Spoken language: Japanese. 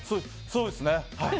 そうですね、はい。